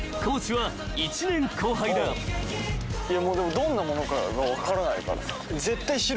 どんなものかが分からないから。